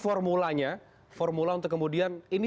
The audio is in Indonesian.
formulanya formula untuk kemudian ini